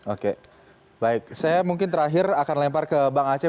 oke baik saya mungkin terakhir akan lempar ke bang aceh